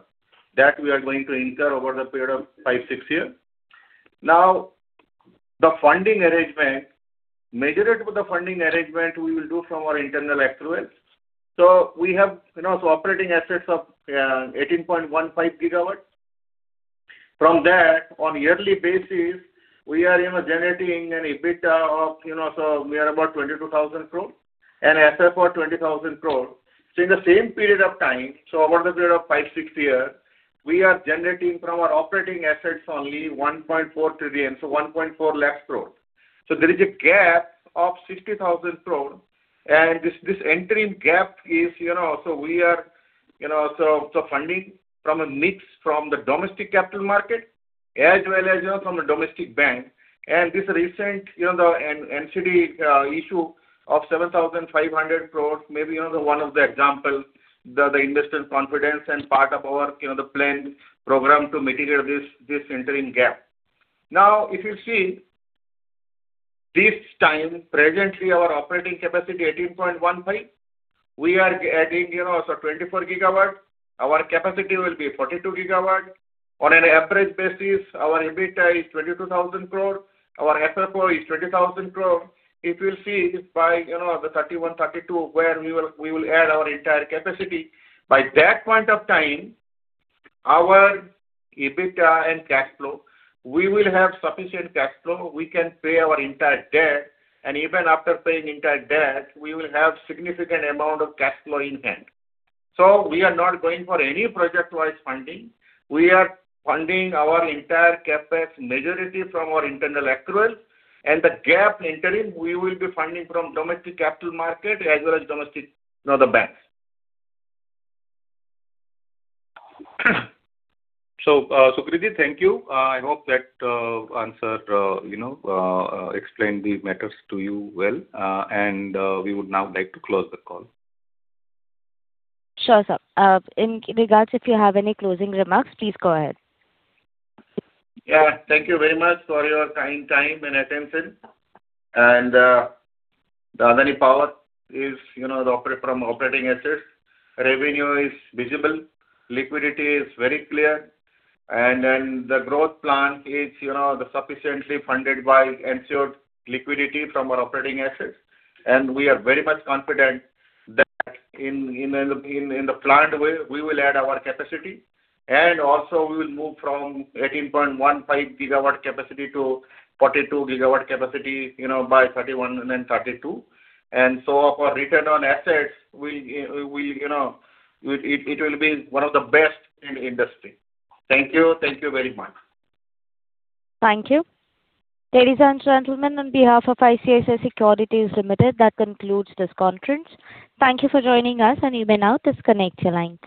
that we are going to incur over the period of 5-6 years. Now, the funding arrangement, majority of the funding arrangement we will do from our internal accruals. So we have, you know, so operating assets of 18.15 GW. From that, on yearly basis, we are, you know, generating an EBIT of, you know, so we are about 22,000 crore and FFO 20,000 crore. So in the same period of time, so over the period of 5-6 years, we are generating from our operating assets only 1.4 trillion, so 140,000 crore. So there is a gap of 60,000 crore, and this, this interim gap is, you know, so we are, you know, so, so funding from a mix from the domestic capital market as well as, you know, from a domestic bank. And this recent, you know, the NCD issue of 7,500 crore, maybe, you know, one of the examples that the investor confidence and part of our, you know, the planned program to materialize this, this interim gap. Now, if you see this time, presently our operating capacity, 18.15, we are adding, you know, so 24 GW. Our capacity will be 42 GW. On an average basis, our EBIT is 22,000 crore, our FFO is 20,000 crore. If you see by, you know, the 2031, 2032, where we will, we will add our entire capacity, by that point of time, our EBIT and cash flow, we will have sufficient cash flow. We can pay our entire debt, and even after paying entire debt, we will have significant amount of cash flow in hand. So we are not going for any project-wise funding. We are funding our entire CapEx majority from our internal accrual, and the gap interim, we will be funding from domestic capital market as well as domestic, you know, the banks. So, Sukrit, thank you. I hope that answered, you know, explained the matters to you well, and we would now like to close the call. Sure, sir. In regards, if you have any closing remarks, please go ahead. Yeah. Thank you very much for your kind time and attention. And the Adani Power is, you know, from operating assets. Revenue is visible, liquidity is very clear, and then the growth plan is, you know, sufficiently funded by ensured liquidity from our operating assets. And we are very much confident that in the planned way, we will add our capacity, and also we will move from 18.15 GW capacity to 42 GW capacity, you know, by 2031 and then 2032. And so for return on assets, we you know it will be one of the best in the industry. Thank you. Thank you very much. Thank you. Ladies and gentlemen, on behalf of ICICI Securities Limited, that concludes this conference. Thank you for joining us, and you may now disconnect your lines.